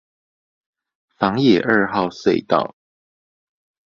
枋野二號隧道